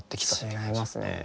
違いますね。